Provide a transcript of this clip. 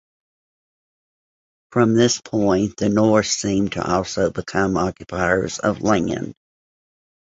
From this point the Norse seem to also become occupiers of land.